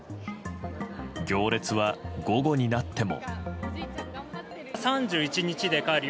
行列は午後になっても。